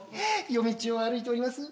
夜道を歩いております。